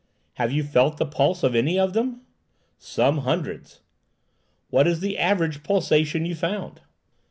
"Have you felt the pulse of any of them?" "Some hundreds." "And what is the average pulsation you found?"